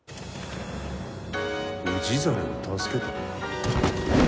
氏真を助けた？